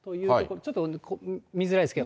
ちょっと見づらいですけど。